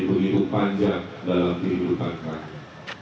penipu panjang dalam kehidupan kami